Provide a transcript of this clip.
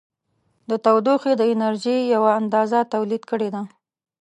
د تودوخې د انرژي یوه اندازه تولید کړې ده.